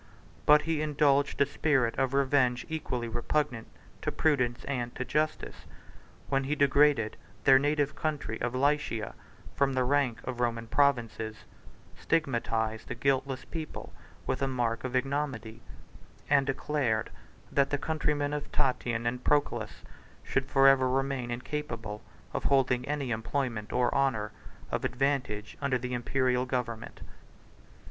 But he indulged a spirit of revenge equally repugnant to prudence and to justice, when he degraded their native country of Lycia from the rank of Roman provinces; stigmatized a guiltless people with a mark of ignominy; and declared, that the countrymen of Tatian and Proculus should forever remain incapable of holding any employment of honor or advantage under the Imperial government.